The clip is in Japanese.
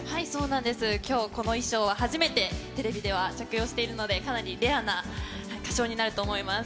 きょう、この衣装は初めてテレビでは着用しているので、かなりレアな歌唱になると思います。